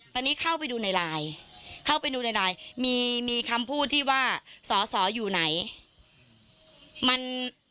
ตอนนี้เข้าไปดูในไลน์มีคำพูดที่ว่าสออยู่ไหน